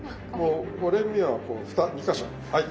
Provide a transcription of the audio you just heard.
折れ目は２か所はい。